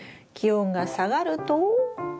気温が下がると？